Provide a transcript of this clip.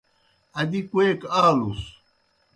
ادی کوئیک آلُس۔